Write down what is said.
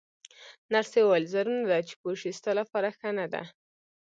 نرسې وویل: ضرور نه ده چې پوه شې، ستا لپاره ښه نه ده.